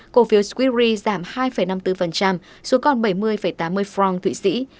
cổ phiếu swiss re giảm hai năm mươi bốn số còn bảy mươi tám mươi franc thụy sĩ